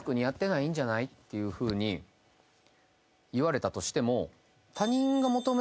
っていうふうに言われたとしても。